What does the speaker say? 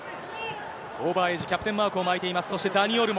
オーバーエイジ、キャプテンマークを巻いています、そしてダニ・オルモ。